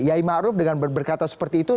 yaimah arief dengan berkata seperti itu